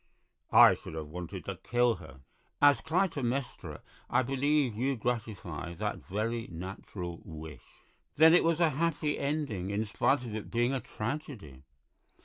'" "I should have wanted to kill her." "As Clytemnestra I believe you gratify that very natural wish." "Then it has a happy ending, in spite of it being a tragedy?"